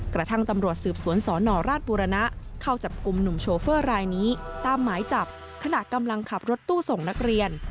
กระทั่งตำรวจสืบสวนสนราชบุรณะเข้าจับกลุ่มหนุ่มโชเฟอร์รายนี้ตามหมายจับขณะกำลังขับรถตู้ส่งนักเรียน